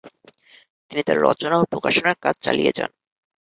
তিনি তাঁর রচনা ও প্রকাশনার কাজ চালিয়ে যান।